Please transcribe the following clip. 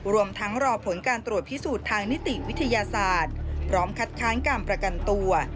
รวมทั้งรอผลการตรวจพิสูจน์ทางนิติวิทยาศาสตร์พร้อมคัดค้านการประกันตัว